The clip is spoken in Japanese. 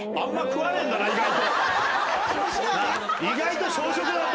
意外と。